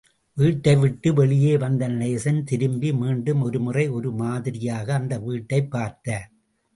வீட்டைவிட்டு வெளியே வந்த நடேசன், திரும்பி மீண்டும் ஒருமுறை, ஒரு மாதிரியாக அந்த வீட்டைப் பார்த்தார்.